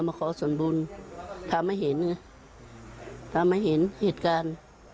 มาขอส่วนบุญทำให้เห็นเหตุกาล